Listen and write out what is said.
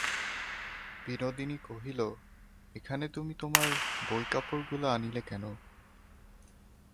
বিনোদিনী কহিল, এখানে তুমি তোমার বই-কাপড়গুলা আনিলে কেন।